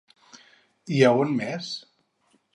I a on més?